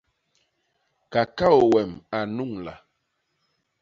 Kakaô wem a nnuñla.